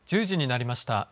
１０時になりました。